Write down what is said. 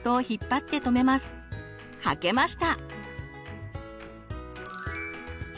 履けました！